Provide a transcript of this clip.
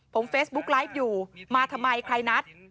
ผมเฟซบุ๊กไลฟ์อยู่มาทำไมใครนัด